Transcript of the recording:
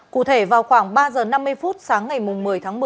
cụ thể vào khoảng ba h năm mươi phút sáng ngày một mươi tháng một mươi